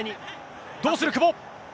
どうする、久保。